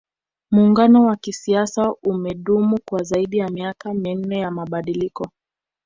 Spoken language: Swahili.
muungano wa kisiasa umedumu kwa zaidi ya miaka minne ya mabadiliko